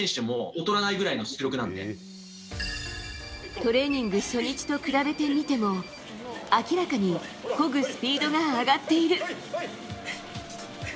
トレーニング初日と比べて見ても明らかにこぐスピードが上がっている。